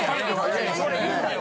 それいいんだけど。